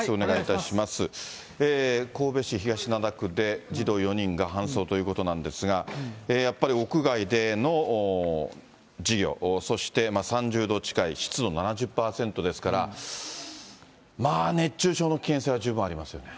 神戸市東灘区で児童４人が搬送ということなんですが、やっぱり屋外での授業、そして３０度近い、湿度７０％ですから、熱中症の危険性は十分ありますよね。